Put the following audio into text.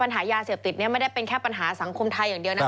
หายาเสพติดเนี่ยไม่ได้เป็นแค่ปัญหาสังคมไทยอย่างเดียวนะ